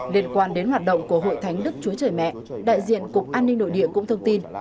liên quan đến hoạt động của hội thánh đức chúa trời mẹ đại diện cục an ninh nội địa cũng thông tin